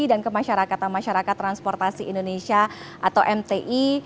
dan ke masyarakat masyarakat transportasi indonesia atau mti